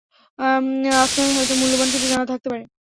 আপনার হয়তো মূল্যবান কিছু জানা থাকতে পারে।